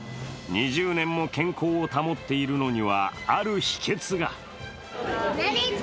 ２０年も健康を保っているのにはある秘けつが。